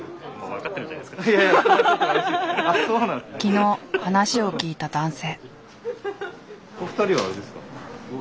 昨日話を聞いた男性。